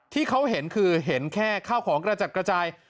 ที่เขาเห็นคือเห็นแค่ข้าวของกระจัดกระจาย